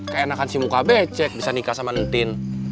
keenakan si muka becek bisa nikah sama netin